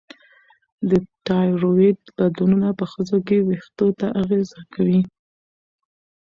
د تایروییډ بدلونونه په ښځو کې وېښتو ته اغېزه کوي.